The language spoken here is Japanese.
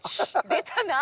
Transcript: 出たな。